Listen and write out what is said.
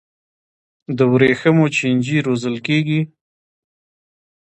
د ورېښمو چینجي روزل کیږي؟